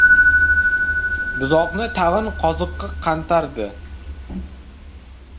Buzoqni tag‘in qoziqqa qantardi.